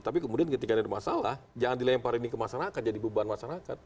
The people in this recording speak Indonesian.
tapi kemudian ketika ada masalah jangan dilempar ini ke masyarakat jadi beban masyarakat